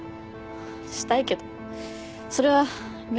したいけどそれは無理かな。